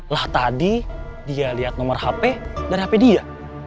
lah tadi dia lihat nomor hp dari hp dia